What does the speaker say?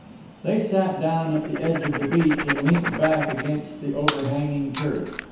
They sat down at the edge of the beach and leant back against the overhanging turf.